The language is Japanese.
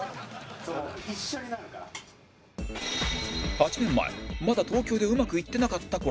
８年前まだ東京でうまくいってなかった頃